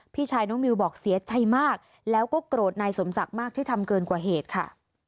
พี่ชายน้องมิวบอกเสียใจมากแล้วก็โกรธนายสมศักดิ์มากที่ทำเกินกว่าเหตุค่ะ